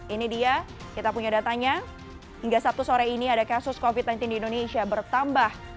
ini dia kita punya datanya hingga sabtu sore ini ada kasus covid sembilan belas di indonesia bertambah